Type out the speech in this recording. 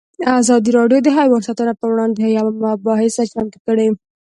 ازادي راډیو د حیوان ساتنه پر وړاندې یوه مباحثه چمتو کړې.